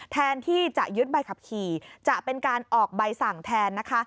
แทนที่จะยึดใบขับขี่จะเป็นการออกใบสั่งแทนนะคะ